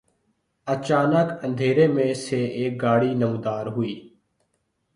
اچانک اندھیرے میں سے ایک گاڑی نمودار ہوئی